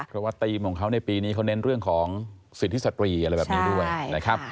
เพราะว่าธีมของเขาในปีนี้เขาเน้นเรื่องของสิทธิสตรีอะไรแบบนี้ด้วยนะครับ